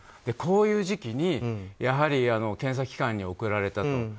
こういう時期に検査機関に送られたと。